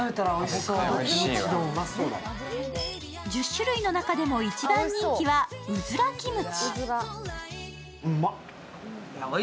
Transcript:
１０種類の中でも一番人気はうずらキムチ。